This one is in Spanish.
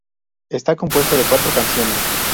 Está compuesto de cuatro canciones.